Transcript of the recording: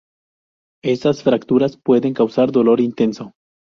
Estas fracturas pueden causar dolor intenso.